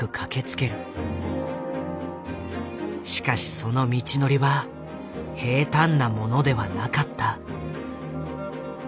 しかしその道のりは平たんなものではなかった。